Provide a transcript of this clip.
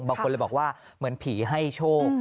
บางคนเลยบอกว่าเหมือนผีให้โชค